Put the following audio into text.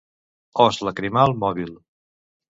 Os lacrimal mòbil.